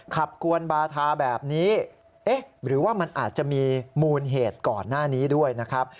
กวนบาทาแบบนี้เอ๊ะหรือว่ามันอาจจะมีมูลเหตุก่อนหน้านี้ด้วยนะครับ